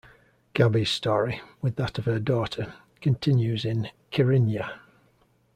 Gaby's story, with that of her daughter, continues in "Kirinya".